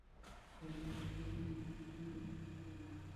গতকাল লাস পালমাসের বিপক্ষে খেলতে রিয়ালকে বেশ বড় দূরত্ব পাড়ি দিতে হয়েছে।